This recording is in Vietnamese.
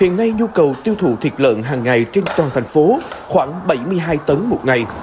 hiện nay nhu cầu tiêu thụ thịt lợn hàng ngày trên toàn thành phố khoảng bảy mươi hai tấn một ngày